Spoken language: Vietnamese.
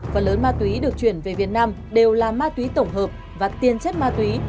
phần lớn ma túy được chuyển về việt nam đều là ma túy tổng hợp và tiền chất ma túy